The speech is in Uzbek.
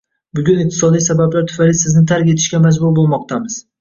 Bugun iqtisodiy sabablar tufayli sizni tark etishga majbur bo‘lmoqdamiz.